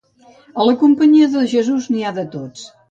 A la companyia de Jesús n'hi ha de tots.